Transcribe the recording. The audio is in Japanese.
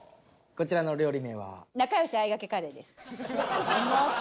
こちらの料理名は？ほんま？